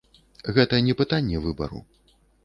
Гэта не пытанне выбару.